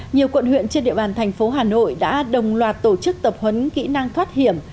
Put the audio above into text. nhiều quận huyện trên địa bàn thành phố hà nội đã đồng loạt tổ chức tập huấn kỹ năng thoát hiểm